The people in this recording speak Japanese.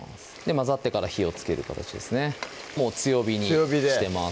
混ざってから火をつける形ですねもう強火にしてます